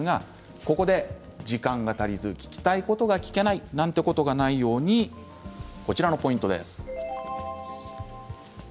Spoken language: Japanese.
ここで時間が足りず聞きたいことが聞けないということがないようにポイントがあります。